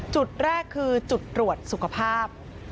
จุดแรกคือจุดตรวจสุขภาพ